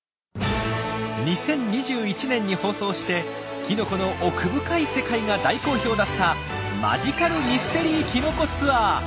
２０２１年に放送してきのこの奥深い世界が大好評だったマジカル・ミステリー・きのこ・ツアー。